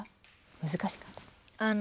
難しかった？